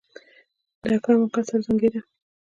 د اکرم اکا سر زانګېده.